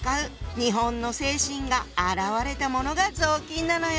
日本の精神が表れたものが雑巾なのよ。